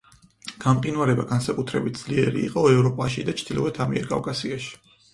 გამყინვარება განსაკუთრებით ძლიერი იყო ევროპაში და ჩრდილოეთ ამიერკავკასიაში.